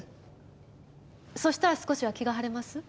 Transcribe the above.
そしたら少しは気が晴れます？